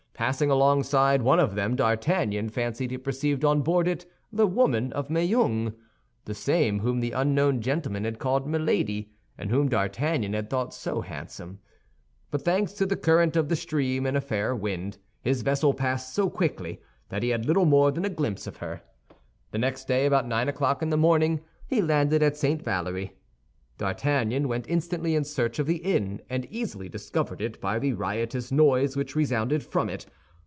Passing alongside one of them, D'Artagnan fancied he perceived on board it the woman of Meung—the same whom the unknown gentleman had called Milady, and whom D'Artagnan had thought so handsome; but thanks to the current of the stream and a fair wind, his vessel passed so quickly that he had little more than a glimpse of her. The next day about nine o'clock in the morning, he landed at St. Valery. D'Artagnan went instantly in search of the inn, and easily discovered it by the riotous noise which resounded from it.